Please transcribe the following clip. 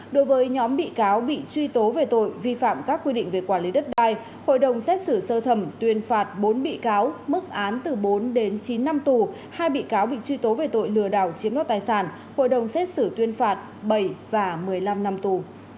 đối với nhóm bị cáo bị truy tố về tội vi phạm các quy định về quản lý đất đai hội đồng xét xử sơ thẩm tuyên phạt bốn bị cáo mức án từ bốn đến chín năm tù hai bị cáo bị truy tố về tội lừa đảo chiếm đoạt tài sản hội đồng xét xử tuyên phạt bảy và một mươi năm năm tù